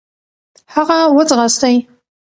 هغه و ځغاستی .